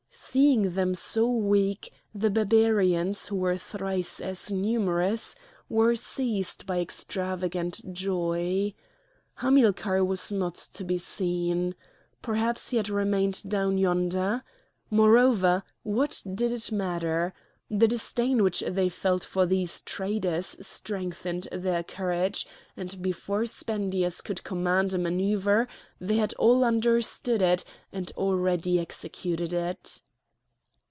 Seeing them so weak, the Barbarians, who were thrice as numerous, were seized with extravagant joy. Hamilcar was not to be seen. Perhaps he had remained down yonder? Moreover what did it matter? The disdain which they felt for these traders strengthened their courage; and before Spendius could command a manouvre they had all understood it, and already executed it.